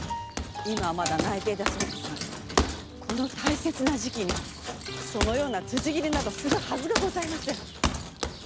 今はまだ内定だそうですがこの大切な時期にそのような辻斬りなどするはずがございません！